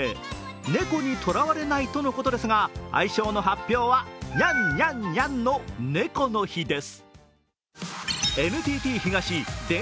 猫にとらわれないとのことですが、愛称の発表はにゃん・にゃん・にゃんの猫の日です。